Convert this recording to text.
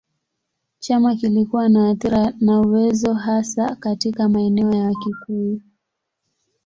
Chama kilikuwa na athira na uwezo hasa katika maeneo ya Wakikuyu.